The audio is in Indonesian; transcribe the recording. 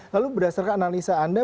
lalu berdasarkan analisa anda